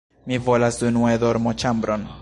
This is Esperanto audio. Mi volas unue dormoĉambron.